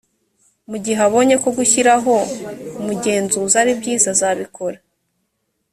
mu gihe abonye ko gushyiraho umugenzuzi aribyiza azabikora